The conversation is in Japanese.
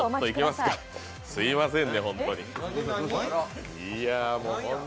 すいません。